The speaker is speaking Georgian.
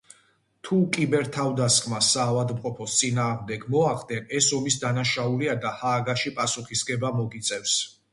თუ კიბერ-თავდასხმას საავადმყოფოს წინააღმდეგ მოახდენ, ეს ომის დანაშაულია და ჰააგაში პასუხისგება მოგიწევს.